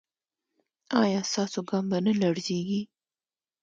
ایا ستاسو ګام به نه لړزیږي؟